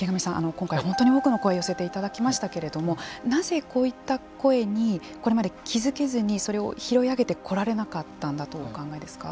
今回、本当に多くの声を寄せていただきましたけれどもなぜこういった声にこれまで気付けずに、それを拾い上げてこられなかったんだとお考えですか。